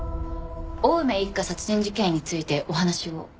青梅一家殺人事件についてお話を。